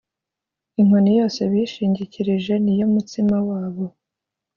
inkoni yose bishingikirije Ni yo mutsima wabo